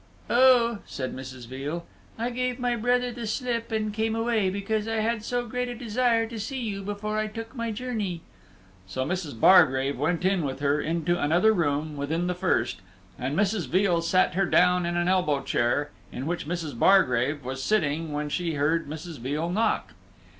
"Oh," says Mrs. Veal, "I gave my brother the slip, and came away, because I had so great a desire to see you before I took my journey." So Mrs. Bargrave went in with her into another room within the first, and Mrs. Veal sat her down in an elbow chair, in which Mrs. Bargrave was sitting when she heard Mrs. Veal knock.